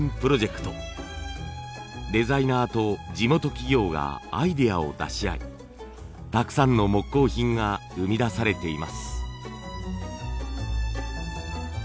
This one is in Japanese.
デザイナーと地元企業がアイデアを出し合いたくさんの木工品が生み出されています。